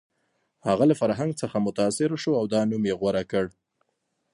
هغه له فرهنګ څخه متاثر شو او دا نوم یې غوره کړ